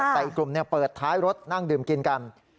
แต่อีกกลุ่มเปิดท้ายรถนั่งดื่มกินกัน